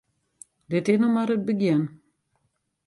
Dit is noch mar it begjin.